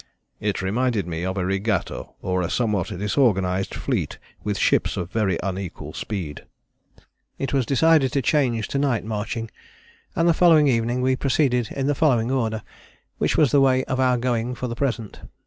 "It reminded me of a regatta or a somewhat disorganized fleet with ships of very unequal speed." It was decided to change to night marching, and the following evening we proceeded in the following order, which was the way of our going for the present.